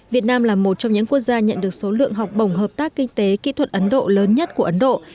việt nam là một trong những quốc gia nhận được số lượng học bổng hợp tác kinh tế kỹ thuật ấn độ lớn nhất của ấn độ